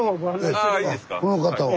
この方は？